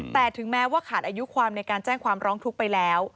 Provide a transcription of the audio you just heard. แต่ถึงแม้ว่าขาดอายุความในการแจ้งความร้องทุกข์ไปแล้ว